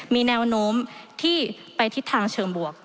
มีแนวโน้มที่ไปทิศทางเชิงบวก